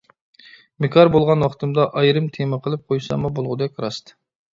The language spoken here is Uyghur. بىكار بولغان ۋاقتىمدا ئايرىم تېما قىلىپ قويساممۇ بولغۇدەك راست.